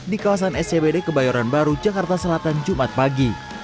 di kawasan scbd kebayoran baru jakarta selatan jumat pagi